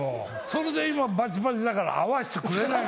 それで今バチバチだから会わしてくれない。